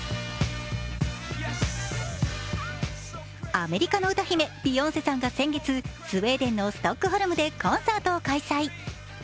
アメリカの歌姫ビヨンセさんが先月スウェーデンのストックホルムでコンサートを開催。